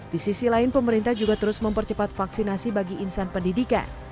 di sisi lain pemerintah juga terus mempercepat vaksinasi bagi insan pendidikan